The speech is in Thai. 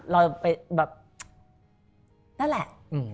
เราไปแบบนั่นแหละ